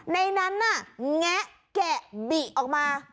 ในนั้นน่ะแงะแกะบิออกมา